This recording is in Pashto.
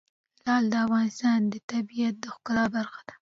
لعل د افغانستان د طبیعت د ښکلا برخه ده.